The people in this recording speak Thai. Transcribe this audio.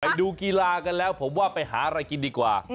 ไปดูกีฬากันแล้วผมว่าไปหาอะไรกินดีกว่า